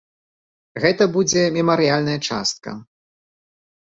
Гэта будзе мемарыяльная частка.